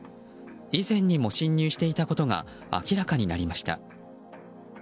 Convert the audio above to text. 以前にも侵入していたことが明らかになりました。